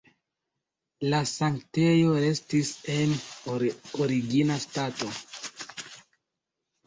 La sanktejo restis en origina stato.